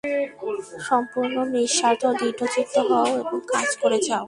সম্পূর্ণ নিঃস্বার্থ ও দৃঢ়চিত্ত হও এবং কাজ করে যাও।